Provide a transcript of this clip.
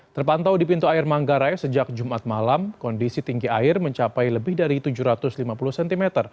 terpantau di pintu air manggarai sejak jumat malam kondisi tinggi air mencapai lebih dari tujuh ratus lima puluh cm